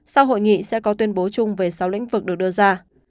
sau hội nghị sẽ có tuyên bố chung về sáu lĩnh vực được đưa ra